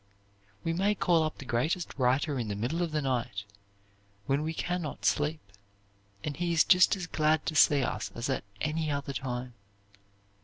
We may call up the greatest writer in the middle of the night when we can not sleep, and he is just as glad to see us as at any other time.